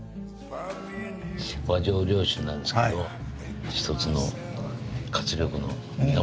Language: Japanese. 和醸良酒なんですけど一つの活力の源ですね。